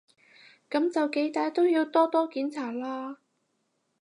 噉就幾歹都要多多檢查啦